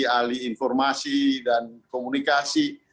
ahli informasi dan komunikasi